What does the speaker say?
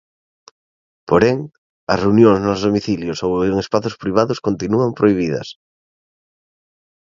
Porén, as reunións nos domicilios ou en espazos privados continúan prohibidas.